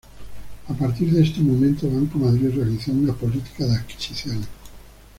A partir de ese momento, Banco Madrid realizó una política de adquisiciones.